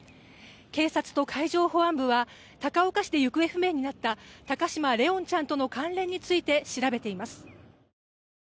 警察と海上保安部は高岡市で行方不明になった高嶋怜音ちゃんとの関連について調べています。